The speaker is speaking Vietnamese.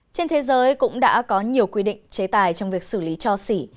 trên thế giới cũng đã có nhiều quy định chế tài trong việc xử lý cho xỉ